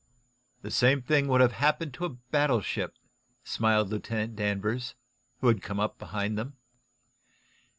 "The same thing would have happened to a battleship," smiled Lieutenant Danvers, who had come up behind them.